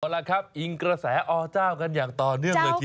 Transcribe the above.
เอาละครับอิงกระแสอเจ้ากันอย่างต่อเนื่องเลยทีเดียว